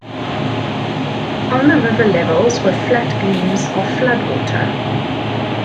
On the river levels were flat gleams of flood water.